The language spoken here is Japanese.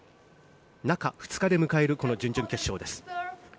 中２日で迎えるこの準々決勝です。